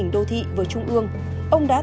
người dân còn trong này